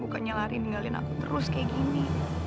bukannya lari ninggalin aku terus kayak gini